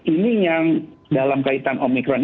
ini yang dalam kaitan omikron